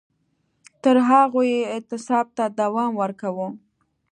تر هغو یې اعتصاب ته دوام ورکاوه